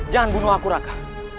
jangan bunuh aku raka